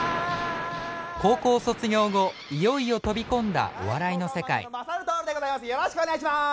高校卒業後いよいよ飛び込んだお笑いの世界。